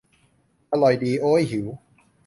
อร่อยดี โอ้ย หิว